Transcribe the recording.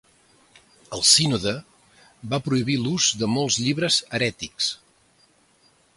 El sínode va prohibir l'ús de molts llibres herètics.